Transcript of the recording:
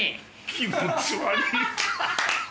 気持ち悪い！